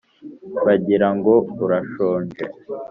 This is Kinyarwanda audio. Bagira ngo urashonje